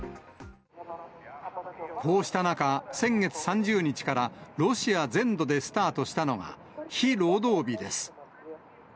こうした中、先月３０日から、ロシア全土でスタートしたのが、非労働日です。